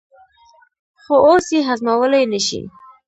خو اوس یې هضمولای نه شي.